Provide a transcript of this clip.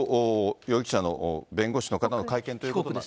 容疑者の弁護士の方の会見というのが。